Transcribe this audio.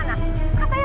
ibu memecat saya